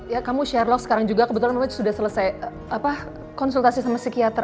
ya kamu share love sekarang juga kebetulan sudah selesai konsultasi sama psikiater